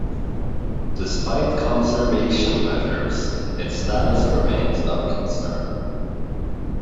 Despite conservation measures, its status remains of concern.